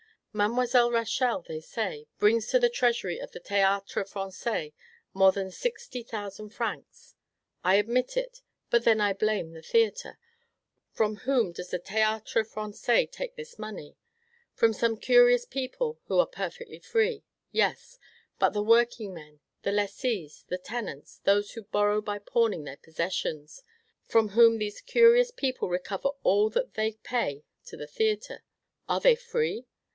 Mademoiselle Rachel, they say, brings to the treasury of the Theatre Francais more than sixty thousand francs. I admit it; but then I blame the theatre. From whom does the Theatre Francais take this money? From some curious people who are perfectly free. Yes; but the workingmen, the lessees, the tenants, those who borrow by pawning their possessions, from whom these curious people recover all that they pay to the theatre, are they free?